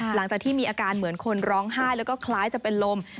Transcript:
หลังจากที่มีอาการเหมือนคนร้องไห้แล้วก็คล้ายจะเป็นลม